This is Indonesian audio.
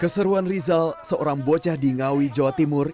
keseruan rizal seorang bocah di ngawi jawa timur